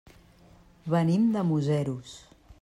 Venim de Museros.